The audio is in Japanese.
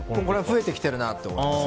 増えてきてるなと思います。